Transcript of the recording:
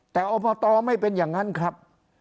แต่อบตไม่เป็นอย่างนั้นครับ